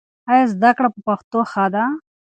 ایا زده کړه په پښتو ښه ده؟